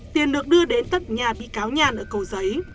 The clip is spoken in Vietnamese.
tiền được đưa đến tận nhà bị cáo nhàn ở cầu giấy